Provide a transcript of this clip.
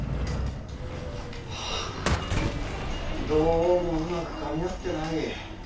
どうもうまくかみ合ってない。